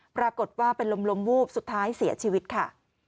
ปรากฏว่าเป็นลมวูบสุดท้ายเสียชีวิตค่ะ